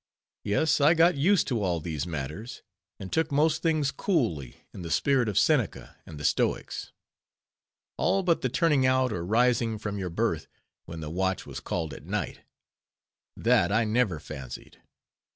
Yes, I got used to all these matters, and took most things coolly, in the spirit of Seneca and the stoics. All but the "turning out" or rising from your berth when the watch was called at night—that I never fancied.